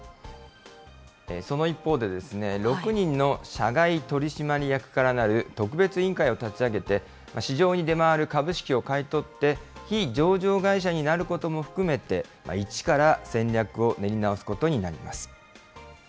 その一方で、６人の社外取締役からなる特別委員会を立ち上げて、市場に出回る株式を買い取って、非上場会社になることも含めて、一から戦略を練り直すことになります。